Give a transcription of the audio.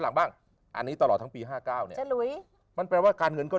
หลังบ้างอันนี้ตลอดทั้งปีห้าเก้าเนี่ยฉลุยมันแปลว่าการเงินก็